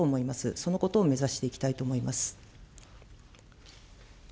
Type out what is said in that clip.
そのことを目指していきたいと思